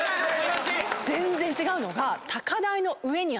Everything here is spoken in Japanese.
全然違うのが。